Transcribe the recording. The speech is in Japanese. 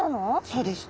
そうです。